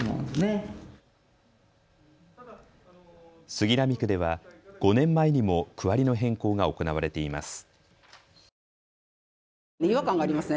杉並区では５年前にも区割りの変更が行われています。